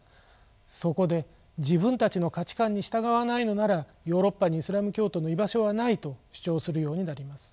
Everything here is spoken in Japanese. そこで自分たちの価値観に従わないのならヨーロッパにイスラム教徒の居場所はないと主張するようになります。